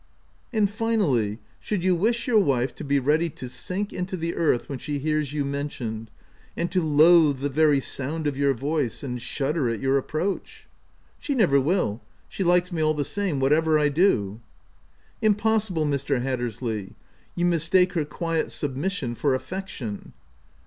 " And finally, should you wish your wife to be ready to sink into the earth when she hears you mentioned ; and to loathe the very sound of your voice, and shudder at your approach V " She never will ; she likes me all the same, whatever I do." " Impossible, Mr. Hattersley ! you mistake her quiet submission for affection."